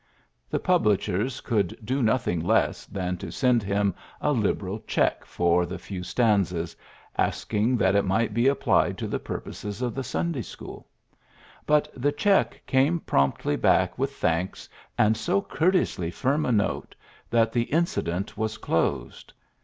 The publishers could do noth ing less than to send him a liberal check for the few stanzas, asking that it might be applied to the purposes of the Sunday school ; but the check came promptly back with thanks and so courteously firm a note that the ^ incident was closed.''